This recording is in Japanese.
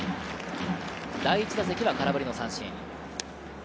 第１打席は空振りの三振。